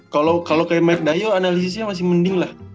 kalau kalau kaya mc dayo analisisnya masih mending lah